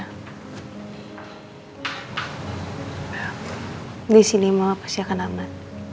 mbak di sini mbak ma pasti akan aman